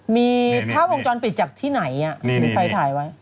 มีภาพวงจรปิดจากที่ไหนมีไฟถ่ายไว้